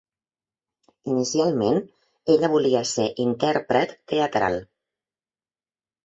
Inicialment, ella volia ser intèrpret teatral.